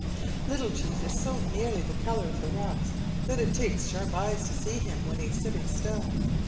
"Little Chief is so nearly the color of the rocks that it takes sharp eyes to see him when he is sitting still.